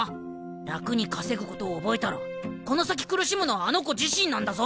楽に稼ぐことを覚えたらこの先苦しむのはあの子自身なんだぞ。